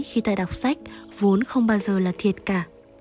khi ta đọc sách vốn không bao giờ là thiệt cả